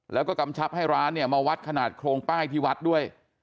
แล้วก็กำชับให้ร้านเนี่ยมาวัดขนาดโครงป้ายที่วัดด้วย